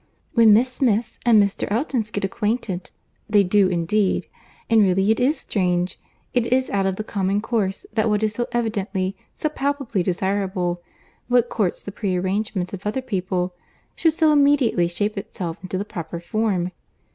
"When Miss Smiths and Mr. Eltons get acquainted—they do indeed—and really it is strange; it is out of the common course that what is so evidently, so palpably desirable—what courts the pre arrangement of other people, should so immediately shape itself into the proper form.